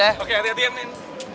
oke hati hatian men